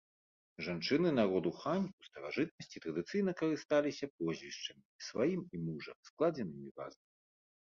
Жанчыны народу хань у старажытнасці традыцыйна карысталіся прозвішчамі, сваім і мужа, складзенымі разам.